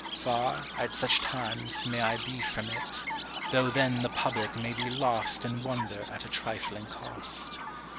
Far, at such times, may I be from it; Though then the public may be "lost In wonder" at a trifling cost.